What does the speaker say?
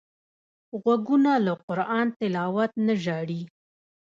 غوږونه له قران تلاوت نه ژاړي